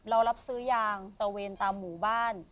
เรารับซื้อยางตะเวนตามหมู่บ้าน